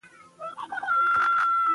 ښارونه د افغانستان د اقتصاد برخه ده.